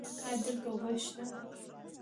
ایا دلته اوبه شته؟